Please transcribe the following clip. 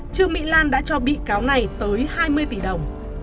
trương mỹ lan đã cho bị cáo này tới hai mươi tỷ đồng